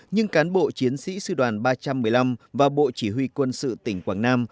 nhưng cán bộ chiến sĩ sư đoàn ba trăm một mươi năm và bộ chỉ huy quân sự tỉnh quảng nam